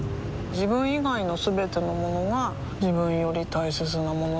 自分以外のすべてのものが自分より大切なものだと思いたい